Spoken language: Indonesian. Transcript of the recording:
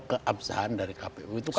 keabsahan dari kpu itu kan berat